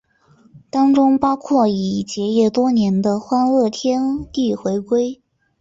当中包括已结业多年的欢乐天地回归。